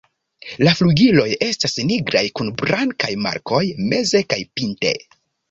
La flugiloj estas nigraj kun blankaj markoj meze kaj pinte.